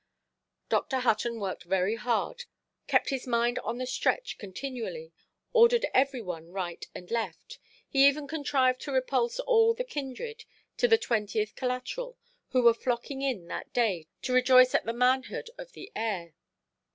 Dr. Hutton worked very hard, kept his mind on the stretch continually, ordered every one right and left. He even contrived to repulse all the kindred, to the twentieth collateral, who were flocking in, that day, to rejoice at the manhood of the heir.